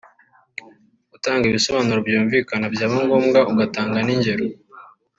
gutanga ibisobanuro byumvikana byaba ngombwa ugatanga n’ingero